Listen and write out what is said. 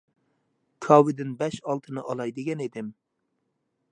كاۋىدىن بەش-ئالتىنى ئالاي دېگەن ئىدىم.